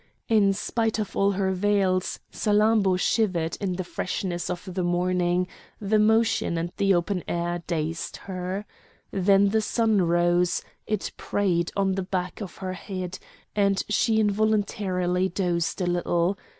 In spite of all her veils, Salammbô shivered in the freshness of the morning; the motion and the open air dazed her. Then the sun rose; it preyed on the back of her head, and she involuntarily dozed a little.